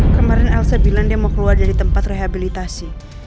kemarin elsa bilang dia mau keluar dari tempat rehabilitasi